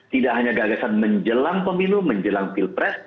tidak hanya gagasan menjelang pemilu menjelang pilpres